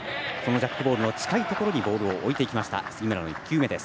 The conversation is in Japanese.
ジャックボールの近いところにボールを置いてきた杉村の１球目です。